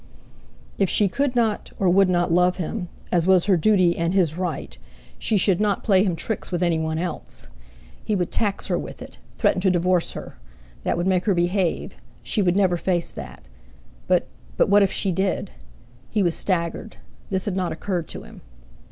If she could not or would not love him, as was her duty and his right—she should not play him tricks with anyone else! He would tax her with it; threaten to divorce her! That would make her behave; she would never face that. But—but—what if she did? He was staggered; this had not occurred to him.